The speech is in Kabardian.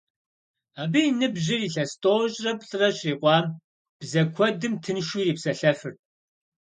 Абы и ныбжьыр илъэс тӀощӀрэ плӀырэ щрикъуам, бзэ куэдым тыншу ирипсэлъэфырт.